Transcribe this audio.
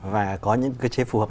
và có những cái chế phù hợp